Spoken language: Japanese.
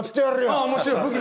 ああ面白い武器